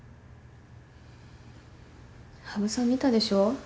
羽生さん見たでしょ？